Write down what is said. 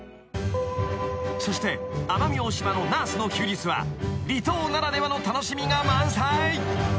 ［そして奄美大島のナースの休日は離島ならではの楽しみが満載］